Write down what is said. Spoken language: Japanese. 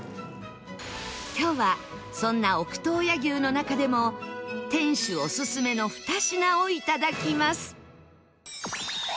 今日はそんな奥洞爺牛の中でも店主オススメの２品をいただきます